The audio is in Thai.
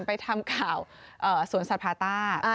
ไปทำข่าวสวนสัตว์พาต้า